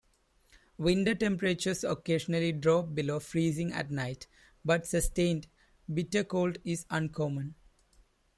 Winter temperatures occasionally drop below freezing at night, but sustained, bitter cold, is uncommon.